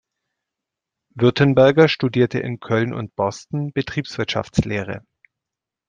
Würtenberger studierte in Köln und Boston Betriebswirtschaftslehre.